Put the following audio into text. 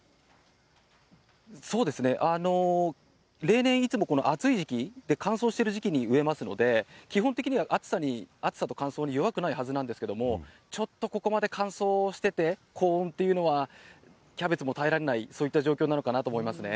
そうですね、例年、いつもこの暑い時期で、乾燥してる時期に植えますので、基本的には暑さに、暑さと乾燥に弱くないはずなんですけれども、ちょっとここまで乾燥してて、高温っていうのはキャベツも耐えられない、そういった状況なのかなと思いますね。